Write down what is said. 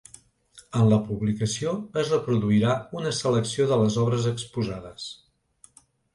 En la publicació es reproduirà una selecció de les obres exposades.